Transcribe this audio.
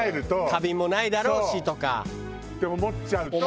「花瓶もないだろうし」とか。って思っちゃうと。